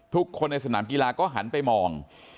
ทุกคนในสนามกีฬาก็หันไปมอง